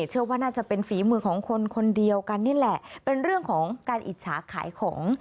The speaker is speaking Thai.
เชื่อว่าน่าจะเป็นฝีมือของคนคนเดียวกันนี่แหละเป็นเรื่องของการอิจฉาขายของ